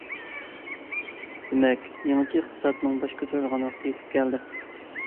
دېمەك، يېڭىچە ئىقتىسادنىڭ باش كۆتۈرىدىغان ۋاقتى يېتىپ كەلدى.